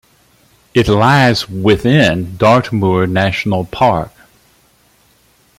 It lies within Dartmoor National Park.